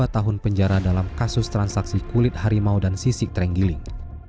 dua tahun penjara dalam kasus transaksi kulit harimau dan sisik terenggiling